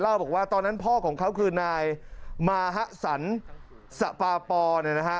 เล่าบอกว่าตอนนั้นพ่อของเขาคือนายมหสันสภปอร์